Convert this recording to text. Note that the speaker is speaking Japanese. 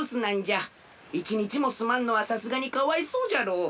１にちもすまんのはさすがにかわいそうじゃろう。